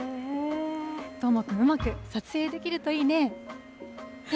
どーもくん、うまく撮影できるといいね。